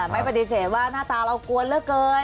ไม่ปฏิเสธว่าหน้าตาเรากวนเหลือเกิน